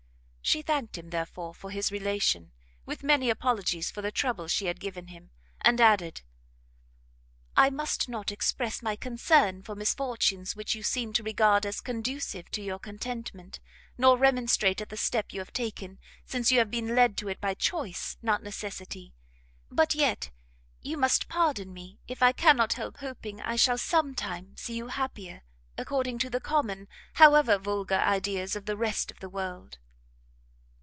She thanked him, therefore, for his relation, with many apologies for the trouble she had given him, and added, "I must not express my concern for misfortunes which you seem to regard as conducive to your contentment, nor remonstrate at the step you have taken, since you have been led to it by choice, not necessity: but yet, you must pardon me if I cannot help hoping I shall some time see you happier, according to the common, however vulgar ideas of the rest of the world."